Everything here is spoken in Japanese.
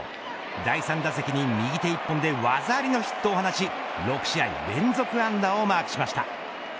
第３打席に右手１本で技ありのヒットを放ち６試合連続安打をマークしました。